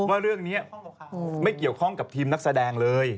ว่าเรื่องนี้ไม่เกี่ยวข้องกับทีมนักแสดงเลย